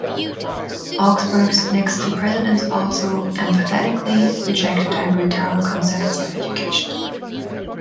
Augsburg's next two presidents also emphatically rejected ivory tower concepts of education.